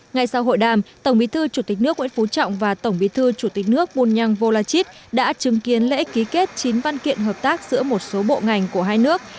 ngay sau hội đàm tổng bí thư chủ tịch nước nguyễn phú trọng và tổng bí thư chủ tịch nước bùn nhăng vô la chít đã chứng kiến lễ ký kết chín văn kiện hợp tác giữa một số bộ ngành của hai nước